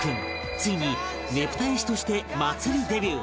ついにねぷた絵師として祭りデビュー